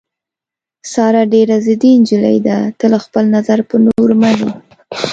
ساره ډېره ضدي نجیلۍ ده، تل خپل نظر په نورو مني.